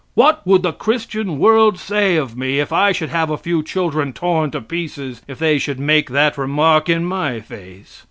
What would the Christian world say of me if I should have a few children torn to pieces if they should make that remark in my face?